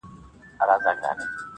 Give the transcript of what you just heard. ولولئ نر او ښځي ټول د کتابونو کیسې,